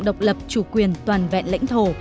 độc lập chủ quyền toàn vẹn lãnh thổ